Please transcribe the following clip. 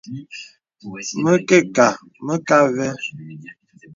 Mə kə kâ , mə kə avə́.